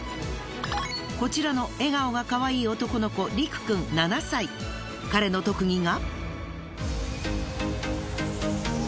こちらの笑顔がかわいい男の子彼の特技が。